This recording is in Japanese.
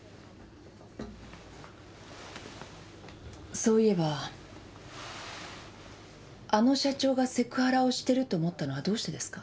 そういえばあの社長がセクハラをしてるって思ったのはどうしてですか？